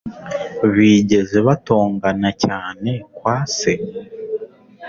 Bigeze batongana cyane kwa se?